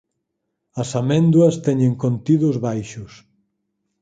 As améndoas teñen contidos baixos.